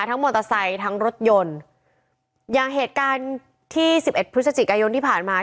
มอเตอร์ไซค์ทั้งรถยนต์อย่างเหตุการณ์ที่สิบเอ็ดพฤศจิกายนที่ผ่านมา